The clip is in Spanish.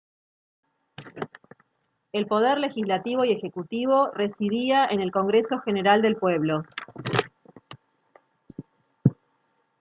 El poder legislativo y ejecutivo residía en el Congreso General del Pueblo.